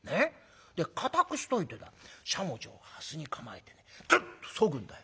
で硬くしといてだしゃもじをはすに構えてズッとそぐんだよ。